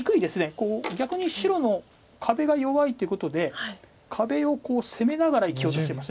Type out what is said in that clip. こう逆に白の壁が弱いってことで壁を攻めながら生きようとしてます。